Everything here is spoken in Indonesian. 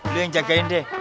lo yang jagain deh